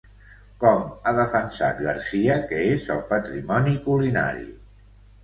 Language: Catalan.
Com ha defensat Garcia que és el patrimoni culinari?